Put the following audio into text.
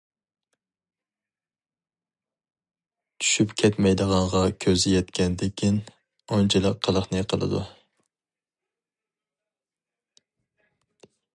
چۈشۈپ كەتمەيدىغانغا كۈزى يەتكەندىكىن ئۇنچىلىك قىلىقنى قىلىدۇ.